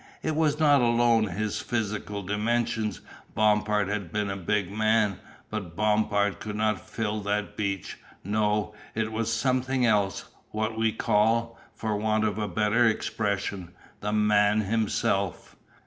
It was not alone his physical dimensions. Bompard had been a big man, but Bompard could not fill that beach. No, it was something else what we call, for want of a better expression, "the man himself."